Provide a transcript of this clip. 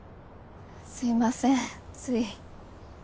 すいませんつい。